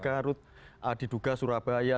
tegarut diduga surabaya